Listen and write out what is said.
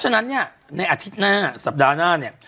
ฉะนั้นเนี่ยในอาทิตย์หน้าสัปดาห์หน้าเนี่ย